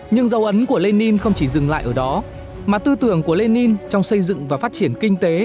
nhưng dấu ấn của lenin không chỉ dừng lại ở đó mà tư tưởng của lenin trong xây dựng và phát triển kinh tế